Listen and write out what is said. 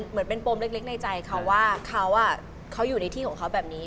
เหมือนเป็นปมเล็กในใจเขาว่าเขาอยู่ในที่ของเขาแบบนี้